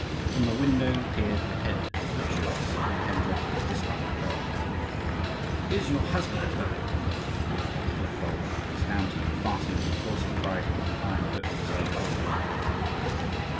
From the window peered the head of a Jewess, in a head dress with discoloured pearls. "Is your husband at home?" said Bulba, dismounting, and fastening his horse's bridle to an iron hook beside the door.